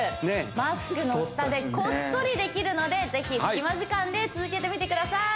マスクの下でこっそりできるのでぜひ隙間時間で続けてみてください